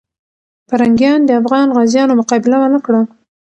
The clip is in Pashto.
پرنګیان د افغان غازیانو مقابله ونه کړه.